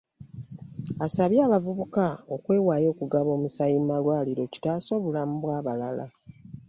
Asabye abavubuka okwewaayo okugaba omusaayi mu malwaliro kitaase obulamu bwa'abalala.